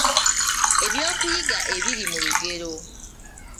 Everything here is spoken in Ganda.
Ebyokuyiga ebiri mu lugero